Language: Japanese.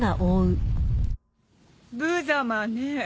ぶざまね。